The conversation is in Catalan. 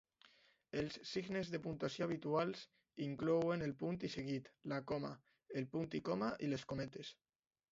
Els signes de puntuació habituals inclouen el punt i seguit, la coma, el punt i coma i les cometes